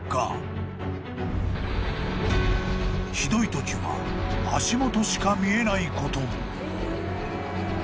［ひどいときは足元しか見えないことも］